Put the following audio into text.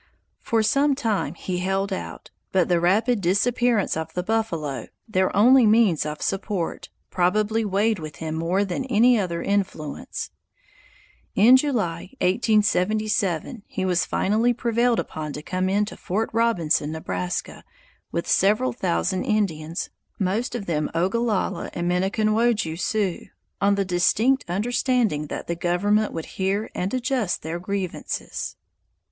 For some time he held out, but the rapid disappearance of the buffalo, their only means of support, probably weighed with him more than any other influence. In July, 1877, he was finally prevailed upon to come in to Fort Robinson, Nebraska, with several thousand Indians, most of them Ogallala and Minneconwoju Sioux, on the distinct understanding that the government would hear and adjust their grievances.